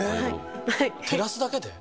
照らすだけで？